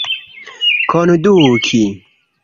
konduki